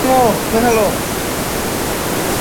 Todas las teorías son discutibles.